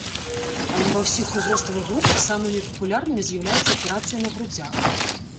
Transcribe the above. Але ва ўсіх узроставых групах самымі папулярнымі з'яўляюцца аперацыі на грудзях.